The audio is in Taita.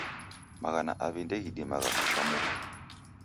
Maghana aw'i ndeghidimagha kusha mufu.